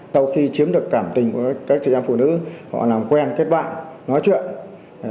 sau khi chiếm được cảm tình của các chị em phụ nữ họ làm quen kết bạn nói chuyện